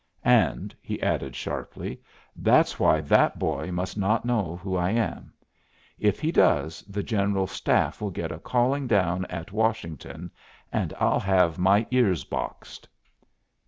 And," he added sharply, "that's why that boy must not know who I am. If he does, the General Staff will get a calling down at Washington, and I'll have my ears boxed."